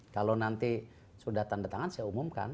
kalau nanti sudah tanda tangan saya umumkan